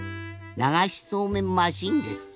ながしそうめんマシーンですって？